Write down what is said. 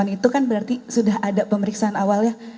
itu kan berarti sudah ada pemeriksaan awalnya